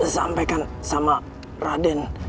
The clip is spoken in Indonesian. sampaikan sama raden